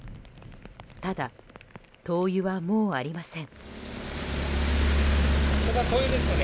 ただ、灯油はもうありません。